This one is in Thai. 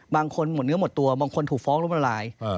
บางคนหมดเนื้อหมดตัวบางคนถูกฟ้องล้มละลาย